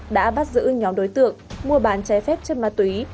đã bắt giữ nhóm đối tượng mua bán trái phép chất ma túy